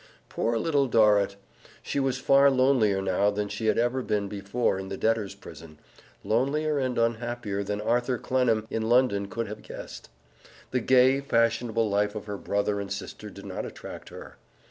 Poor little Dorrit! She was far lonelier now than she had ever been before in the debtors' prison lonelier and unhappier than Arthur Clennam in London could have guessed. The gay, fashionable life of her brother and sister did not attract her.